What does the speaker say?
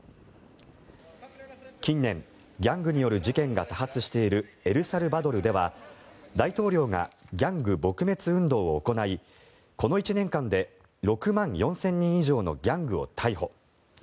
近年、ギャングによる事件が多発しているエルサルバドルでは大統領がギャング撲滅運動を行いこの１年間で６万４０００人以上のギャングを逮捕。